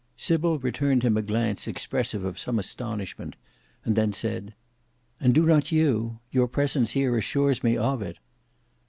Sybil returned him a glance expressive of some astonishment, and then said, "And do not you? Your presence here assures me of it."